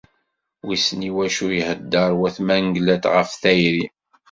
Wissen iwacu ihedder Wat Mengellat ɣef tayri!